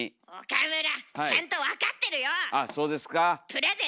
岡村ちゃんと分かってるよ！